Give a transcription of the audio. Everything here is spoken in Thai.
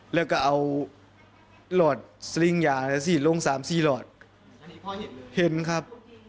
แล้วก็เอาหลอดสริงหยา๔โล่ง๓๔หลอดเฮ็ดครับ